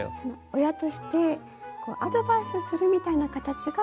親としてアドバイスするみたいな形がいいんでしょうか？